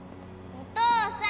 お父さん！